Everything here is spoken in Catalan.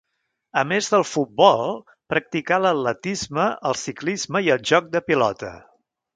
A més del futbol, practicà l'atletisme, el ciclisme i el joc de pilota.